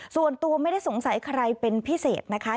ส่วนตัวไม่ได้สงสัยใครเป็นพิเศษนะคะ